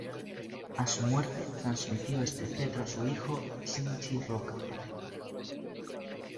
A su muerte, transmitió este cetro a su hijo Sinchi Roca.